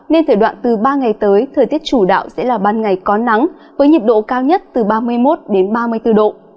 nên thời đoạn từ ba ngày tới thời tiết chủ đạo sẽ là ban ngày có nắng với nhiệt độ cao nhất từ ba mươi một đến ba mươi bốn độ